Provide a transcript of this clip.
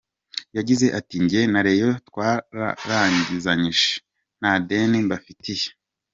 Yagize ati “Njye na Rayon twararangizanyije, nta deni mbafitiye.